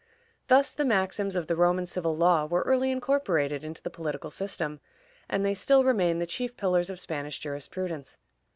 Thus the maxims of the Roman civil law were early incorporated into the political system, and they still remain the chief pillars of Spanish jurisprudence.